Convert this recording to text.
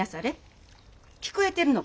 聞こえてるのかえ？